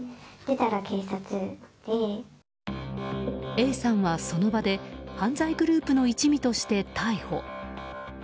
Ａさんは、その場で犯罪グループの一味として逮捕。